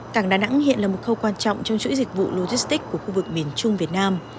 cảng đà nẵng hiện là một khâu quan trọng trong chuỗi dịch vụ logistics của khu vực miền trung việt nam